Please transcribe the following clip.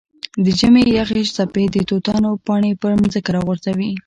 د ژمي یخې څپې د توتانو پاڼې پر ځمکه راغورځوي.